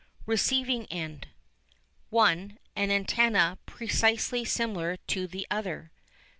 Receiving End (1) An Antenna precisely similar to the other.